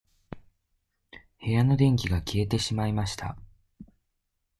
部屋の電気が消えてしまいました。